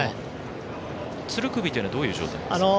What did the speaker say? ツルクビというのはどういう状態ですか？